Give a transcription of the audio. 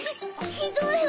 ひどいわ！